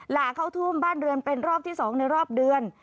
หลาเข้าท่วมบ้านเรือนเป็นรอบที่๒ในรอบเดือน